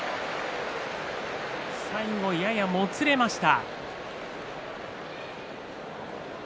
最後ややもつれました。